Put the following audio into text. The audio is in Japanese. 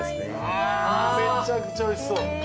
めちゃくちゃおいしそう。